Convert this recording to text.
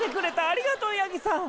ありがとうヤギさん。